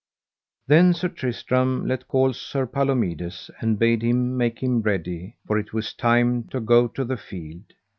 Then Sir Tristram let call Sir Palomides, and bade him make him ready, for it was time to go to the field.